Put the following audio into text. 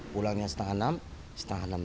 pulangnya setengah enam setengah enam